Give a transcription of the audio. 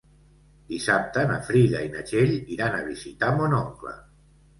Dissabte na Frida i na Txell iran a visitar mon oncle.